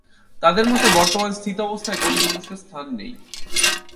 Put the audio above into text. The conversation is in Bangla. তাঁদের মতে বর্তমান স্থিতাবস্থায় গরিব মানুষের স্থান নেই।